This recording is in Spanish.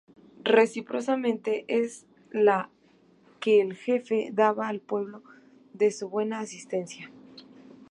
Recíprocamente, es la que el jefe daba al pueblo de su buena Asistencia.